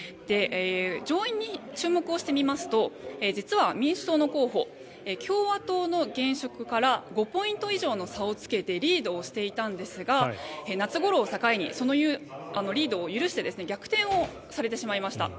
上院に注目して見ますと実は民主党の候補共和党の現職から５ポイント以上の差をつけてリードをしていたんですが夏ごろを境にそのリードを許して逆転されてしまいました。